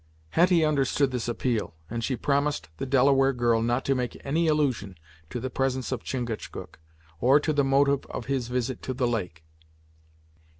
Hetty understood this appeal, and she promised the Delaware girl not to make any allusion to the presence of Chingachgook, or to the motive of his visit to the lake.